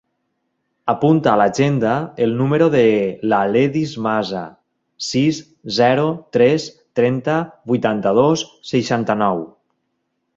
Apunta a l'agenda el número de l'Aledis Maza: sis, zero, tres, trenta, vuitanta-dos, seixanta-nou.